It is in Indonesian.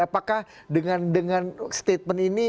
apakah dengan statement ini